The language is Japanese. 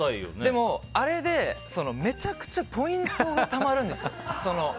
でも、あれでめちゃくちゃポイントがたまるんですよ。